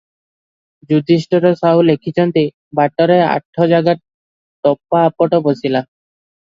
ଯୁଧିଷ୍ଠିର ସାହୁ ଲେଖିଛନ୍ତି, "ବାଟରେ ଆଠ ଜାଗା ଟପା ଆପଟ ବସିଲା ।